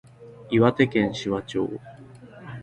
岩手県紫波町